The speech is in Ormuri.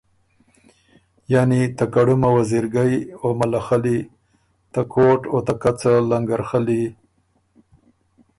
یعنی ته کړُمه وزیرګئ او مله خلي، ته کوټ او کڅه لنګرخلي،